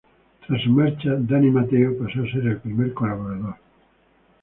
Tras su marcha Dani Mateo pasó a ser el primer colaborador.